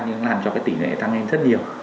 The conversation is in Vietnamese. nhưng làm cho cái tỷ lệ tăng lên rất nhiều